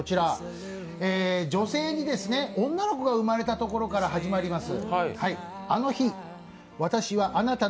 女性に女の子が生まれたところから始まります。